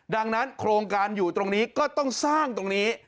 ดังนั้นโครงการอยู่ตรงนี้ก็ต้องสร้างตรงนี้